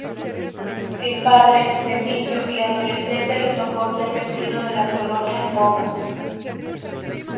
Sin padre, de niño y adolescente le tocó ser vecino de la colonia Roma.